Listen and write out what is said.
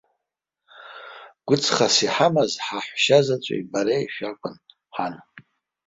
Гәыҵхас иҳамаз ҳаҳәшьа заҵәи бареи шәакәын, ҳан.